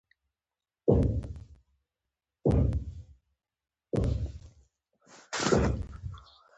هولسینګر د ورجینیا پوهنتون استاد دی.